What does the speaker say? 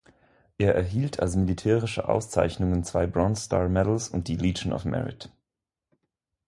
Er erhielt als militärische Auszeichnungen zwei Bronze Star Medals und die Legion of Merit.